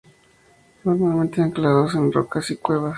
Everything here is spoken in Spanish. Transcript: Normalmente anclados en rocas y cuevas.